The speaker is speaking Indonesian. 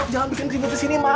jangan bikin ribet di sini ma